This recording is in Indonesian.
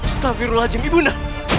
istana virul ajam ibuna